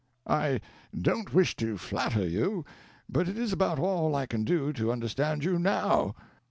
"I don't wish to flatter you, but it is about all I can do to understand you now."